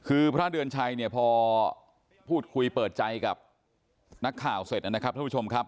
คือพระเดือนชัยเนี่ยพอพูดคุยเปิดใจกับนักข่าวเสร็จนะครับท่านผู้ชมครับ